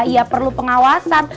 ya perlu pengawasan